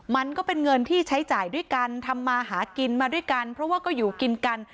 มันก็เป็นเงินที่ใช้จ่ายด้วยกันทำมาหากินมาด้วยกันเพราะว่าก็อยู่กินกัน